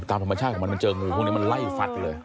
ตามธรรมชาติของมันมันเจองูพวกนี้มันไล่ฟัดเลย